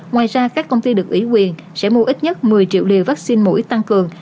ngoài ra các công ty được ủy quyền sẽ mua ít nhất một mươi triệu liều vaccine mũi tăng cường